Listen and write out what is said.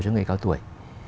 cho người cao tuổi